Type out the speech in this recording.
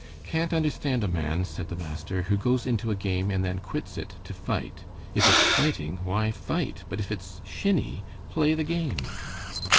"Can't understand a man," said the master, "who goes into a game and then quits it to fight. If it's fighting, why fight, but if it's shinny, play the game.